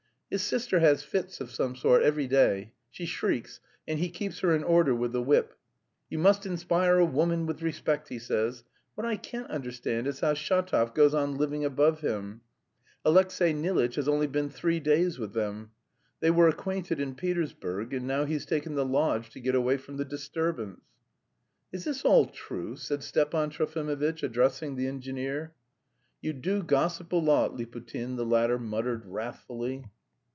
His sister has fits of some sort every day, she shrieks and he 'keeps her in order' with the whip. You must inspire a woman with respect, he says. What I can't understand is how Shatov goes on living above him. Alexey Nilitch has only been three days with them. They were acquainted in Petersburg, and now he's taken the lodge to get away from the disturbance." "Is this all true?" said Stepan Trofimovitch, addressing the engineer. "You do gossip a lot, Liputin," the latter muttered wrathfully.